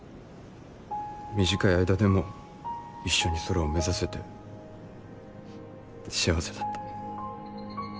短い間でも一緒に空を目指せて幸せだった。